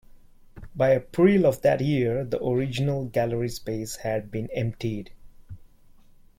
By April of that year the original gallery space had been emptied.